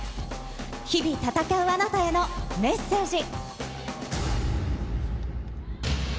日々闘うあなたへのメッセージ。